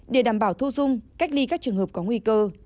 để đảm bảo thu dung cách ly các trường hợp có nguy cơ